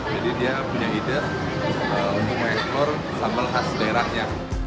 jadi dia punya ide untuk mengeksplor sambal khas daerahnya